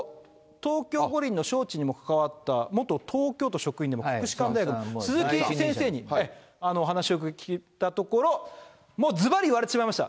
東京五輪の招致にも関わった元東京都職員の国士舘大学の鈴木先生に話を聞いたところ、もうずばり言われてしまいました。